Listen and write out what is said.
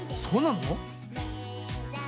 そうなの？